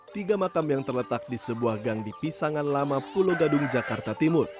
tiga makam yang terletak di sebuah gang di pisangan lama pulau gadung jakarta timur